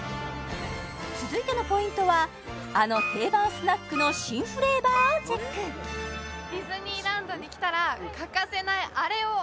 続いてのポイントはあの定番スナックの新フレーバーをチェック何か分かりますか？